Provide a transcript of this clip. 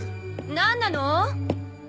何なの？